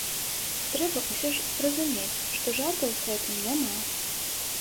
Трэба ўсё ж разумець, што жартаў з гэтым няма.